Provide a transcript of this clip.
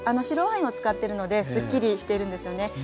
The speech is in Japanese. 白ワインを使ってるのですっきりしてるんですよね。